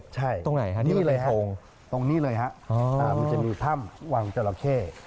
ใช่นี่เลยครับตรงนี้เลยครับมันจะมีถ้ำวังเจราะเท